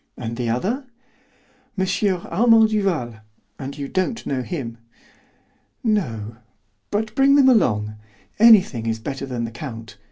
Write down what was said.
And the other?" "M. Armand Duval; and you don't know him." "No, but bring them along. Anything is better than the count.